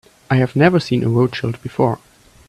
I have never seen a Rothschild before.